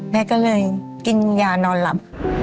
แม่ก็เลยกินยานอนหลับ